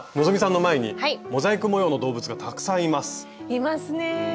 いますね。